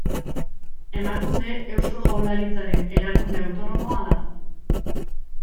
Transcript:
Emakunde Eusko Jaurlaritzaren erakunde autonomoa da.